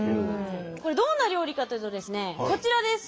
これどんな料理かというとですねこちらです。